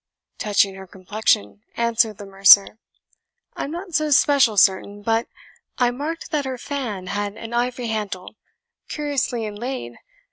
"Touching her complexion," answered the mercer, "I am not so special certain, but I marked that her fan had an ivory handle, curiously inlaid.